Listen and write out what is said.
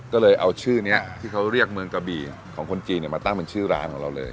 ก็เลยเอาชื่อนี้ที่เขาเรียกเมืองกะบี่ของคนจีนมาตั้งเป็นชื่อร้านของเราเลย